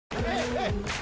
はい！